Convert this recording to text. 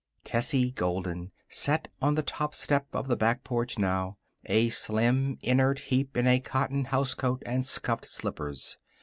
Tessie Golden sat on the top step of the back porch now, a slim, inert heap in a cotton house coat and scuffed slippers.